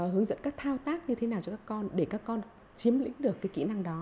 hướng dẫn các thao tác như thế nào cho các con để các con chiếm lĩnh được kỹ năng đó